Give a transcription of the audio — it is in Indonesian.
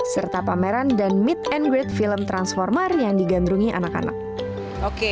serta pameran dan meet and great film transformer yang digandrungi anak anak oke